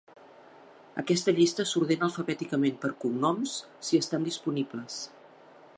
Aquesta llista s'ordena alfabèticament per cognoms si estan disponibles.